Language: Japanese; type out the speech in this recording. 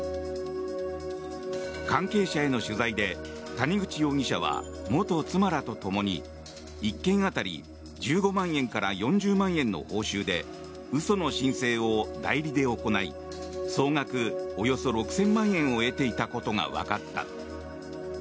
関係者への取材で谷口容疑者は元妻らとともに１件当たり１５万円から４０万円の報酬で嘘の申請を代理で行い総額およそ６０００万円を得ていたことがわかった。